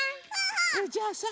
じゃあさ